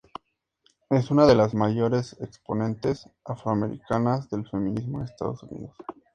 Es una de las mayores exponentes afroamericanas del feminismo en Estados Unidos.